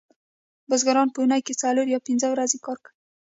بزګران په اونۍ کې څلور یا پنځه ورځې کار کوي